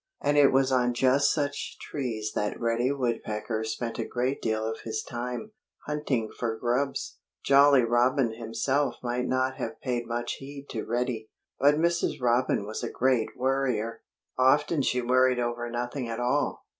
And it was on just such trees that Reddy Woodpecker spent a great deal of his time, hunting for grubs. Jolly Robin himself might not have paid much heed to Reddy. But Mrs. Robin was a great worrier. Often she worried over nothing at all.